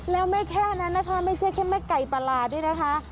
แล้วไม่แค่นั้นนะคะไม่ใช่แค่แม่ไก่ปลาหลาดด้วยนะคะ